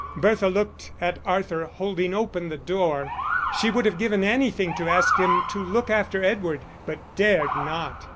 Bertha looked at Arthur holding open the door; she would have given anything to ask him to look after Edward, but dared not.